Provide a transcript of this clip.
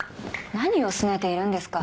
何をすねているんですか。